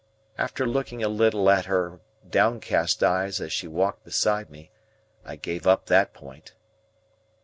After looking a little at her downcast eyes as she walked beside me, I gave up that point.